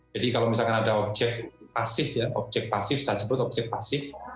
jadi kalau misalkan ada objek pasif saya sebut objek pasif